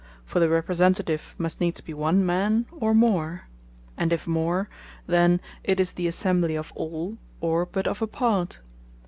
For the Representative must needs be One man, or More: and if more, then it is the Assembly of All, or but of a Part.